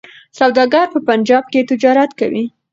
سوداګر په پنجاب کي تجارت کوي.